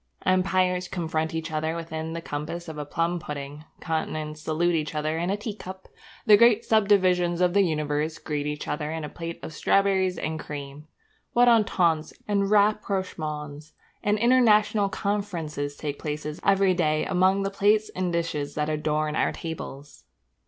Empires confront each other within the compass of a plum pudding; continents salute each other in a tea cup; the great subdivisions of the universe greet each other in a plate of strawberries and cream. What ententes, and rapprochements, and international conferences take place every day among the plates and dishes that adorn our tables!